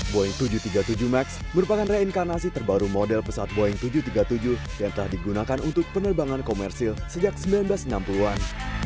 boeing tujuh ratus tiga puluh tujuh max merupakan reinkanasi terbaru model pesawat boeing tujuh ratus tiga puluh tujuh yang telah digunakan untuk penerbangan komersil sejak seribu sembilan ratus enam puluh an